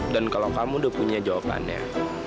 dan kalau kamu udah punya jawabannya